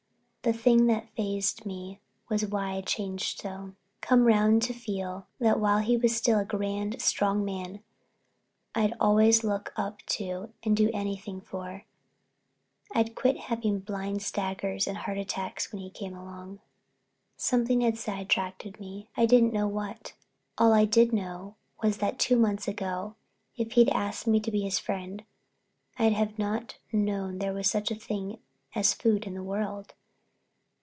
The thing that phased me was why I'd changed so, come round to feel that while he was still a grand, strong man, I'd always look up to and do anything for, I'd quit having blind staggers and heart attacks when he came along. Something had sidetracked me. I didn't know what. All I did know was that two months ago if he'd asked me to be his friend I'd not have known there was such a thing as food in the world.